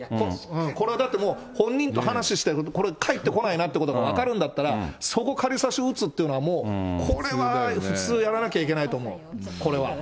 これ、だってもう、本人と話してる、これ返ってこないなっていうことが分かるんだったら、そこ、仮差し打つというのはもう、これは普通やらなきゃいけないと思う、これは。